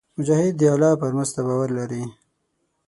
مجاهد د الله پر مرسته باور لري.